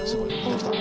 できた。